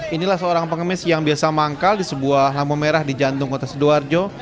inilah seorang pengemis yang biasa manggal di sebuah lampu merah di jantung kota sidoarjo